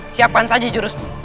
siapkan saja jurusmu